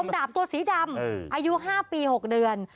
ดาบตัวสีดำอายุ๕ปี๖เดือน